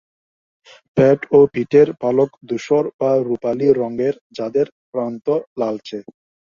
পেট ও পিঠের পালক ধূসর বা রূপালি রঙের যাদের প্রান্ত লালচে।